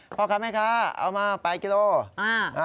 เพาะครับไหมคะเอามา๘กิโลกรัม